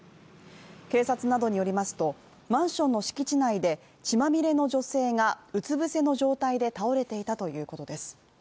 警察などによりますと、マンションの敷地内で血まみれの女性がうつぶせの状態で倒れていたということです。